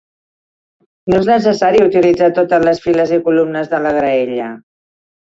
No és necessari utilitzar totes les files i columnes de la graella.